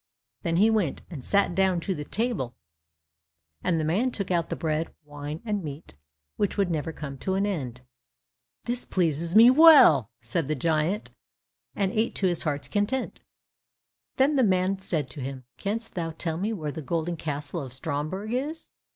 Then they went, and sat down to the table, and the man took out the bread, wine, and meat which would never come to an end. "This pleases me well," said the giant, and ate to his heart's content. Then the man said to him, "Canst thou tell me where the golden castle of Stromberg is?"